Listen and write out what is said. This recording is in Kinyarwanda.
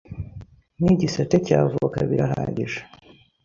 n’igisate cya avoka birahagije